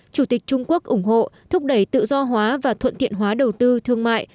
chủ tịch trung quốc ủng hộ thúc đẩy tự do hóa và thuận tiện hóa đầu tư thương mại